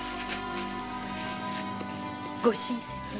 ご親切に。